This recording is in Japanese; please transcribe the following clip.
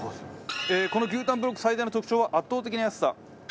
この牛タンブロック最大の特徴は圧倒的な安さ。